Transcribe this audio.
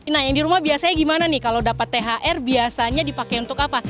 nah yang di rumah biasanya gimana nih kalau dapat thr biasanya dipakai untuk apa